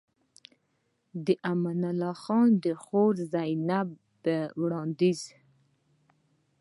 د امان الله خان د خور مېرمن زينب په وړانديز